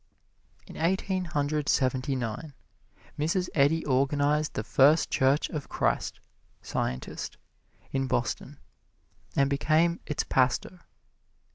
In Eighteen Hundred Seventy nine, Mrs. Eddy organized the First Church of Christ, Scientist, in Boston, and became its pastor.